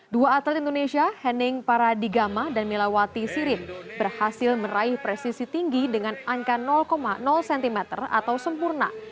dua atlet indonesia hening paradigama dan milawati sirin berhasil meraih presisi tinggi dengan angka cm atau sempurna